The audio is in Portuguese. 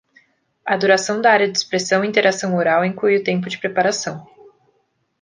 A duração da Área de Expressão e Interação Oral inclui o tempo de preparação.